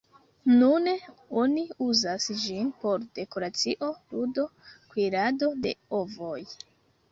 Nune oni uzas ĝin por dekoracio, ludo, kuirado de ovoj.